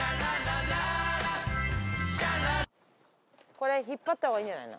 これ引っ張った方がいいんじゃないの？